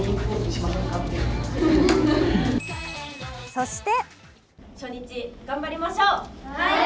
そして！